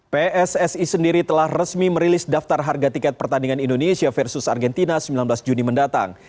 pssi sendiri telah resmi merilis daftar harga tiket pertandingan indonesia versus argentina sembilan belas juni mendatang